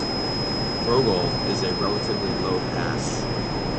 Broghol is a relatively low pass.